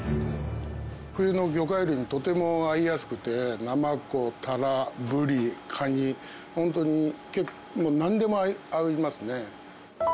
冬の魚介類にとても合いやすくてナマコタラブリカニ本当になんでも合いますね。